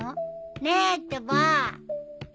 ねえってば！